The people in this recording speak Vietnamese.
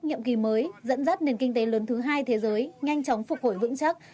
nhiệm kỳ mới dẫn dắt nền kinh tế lớn thứ hai thế giới nhanh chóng phục hồi vững chắc